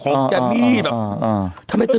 เป็นการกระตุ้นการไหลเวียนของเลือด